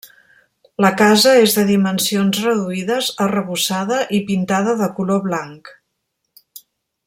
La casa és de dimensions reduïdes, arrebossada i pintada de color blanc.